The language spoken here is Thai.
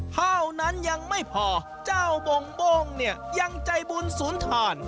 เท่านั้นยังไม่พอเจ้าบ่งเนี่ยยังใจบุญศูนย์ทาน